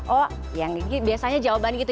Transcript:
oh yang biasanya jawaban gitu